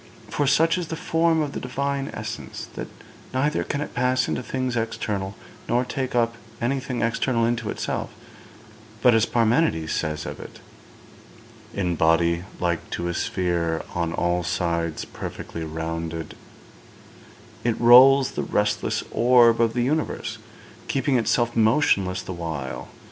For such is the form of the Divine essence, that neither can it pass into things external, nor take up anything external into itself; but, as Parmenides says of it, '"In body like to a sphere on all sides perfectly rounded," it rolls the restless orb of the universe, keeping itself motionless the while.